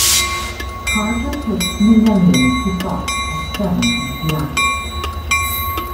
Carter pitched "Millennium" to Fox as ""Seven" in Seattle.